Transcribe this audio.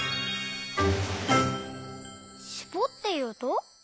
「しぼっていうと」？